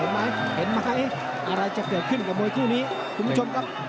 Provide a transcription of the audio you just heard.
ไหมเห็นไหมอะไรจะเกิดขึ้นกับมวยคู่นี้คุณผู้ชมครับ